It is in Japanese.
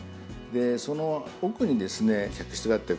その奥に客室があって。